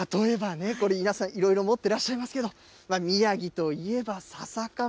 例えばね、これ、皆さん、いろいろ持ってらっしゃいますけど、宮城といえば笹かま。